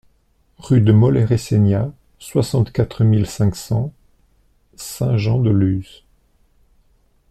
Rue de Moleressenia, soixante-quatre mille cinq cents Saint-Jean-de-Luz